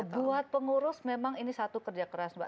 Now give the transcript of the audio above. buat pengurus memang ini satu kerja keras mbak